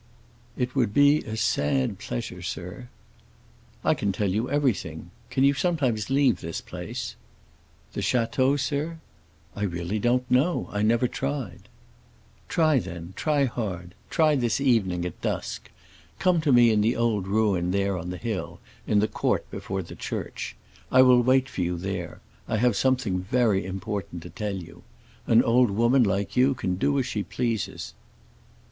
"It would be a sad pleasure, sir." "I can tell you everything. Can you sometimes leave this place?" "The château, sir? I really don't know. I never tried." "Try, then; try hard. Try this evening, at dusk. Come to me in the old ruin there on the hill, in the court before the church. I will wait for you there; I have something very important to tell you. An old woman like you can do as she pleases."